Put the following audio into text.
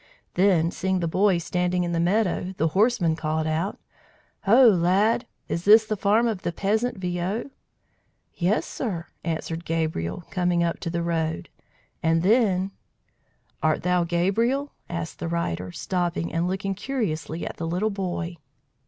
Then seeing the boy standing in the meadow, the horseman called out: "Ho, lad! Is this the farm of the peasant Viaud?" "Yes, sir," answered Gabriel, coming up to the road; and then, "Art thou Gabriel?" asked the rider, stopping and looking curiously at the little boy.